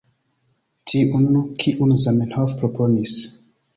Tiun, kiun Zamenhof proponis.